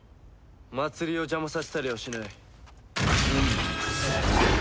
祭りを邪魔させたりはしない。